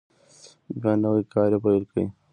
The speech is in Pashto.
بیا نوی کار یې پیل کړ.